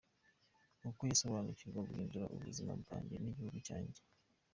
Uko gusobanukirwa kwahinduye ubuzima bwanjye n’igihugu cyanjye.